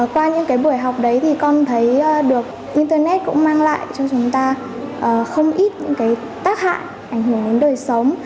qua những buổi học đấy thì con thấy được internet cũng mang lại cho chúng ta không ít những cái tác hại ảnh hưởng đến đời sống